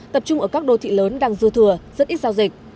tập trung ở các đô thị lớn đang dư thừa rất ít giao dịch